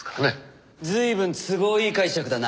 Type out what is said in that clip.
随分都合いい解釈だな。